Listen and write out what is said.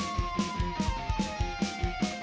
umur masalah lihat di bawah